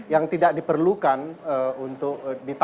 yang tidak diperlukan untuk menurut saya